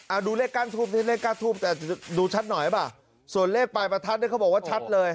เอาดูเลขก้านทูบที่เลขก้านทูบแต่ดูชัดหน่อยป่ะส่วนเลขปลายประทัดเนี่ยเขาบอกว่าชัดเลย